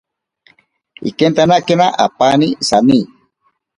Ikentanakena apaani sani.